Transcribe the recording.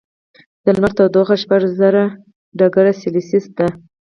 د لمر تودوخه شپږ زره ډګري سیلسیس ده.